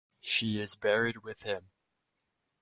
She is buried with him.